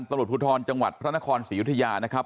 ตำรวจภูทรจังหวัดพระนครศรียุธยานะครับ